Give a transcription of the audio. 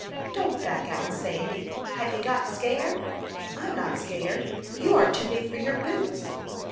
"Don't back out, Sandy. Have you got scared?" "I'm not scared; you are too big for your boots."